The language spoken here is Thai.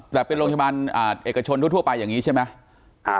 แต่เป็นโรงพยาบาลเอกชนทั่วไปอย่างนี้ใช่ไหม